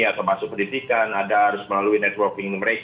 ada masuk pendidikan ada harus melalui networking mereka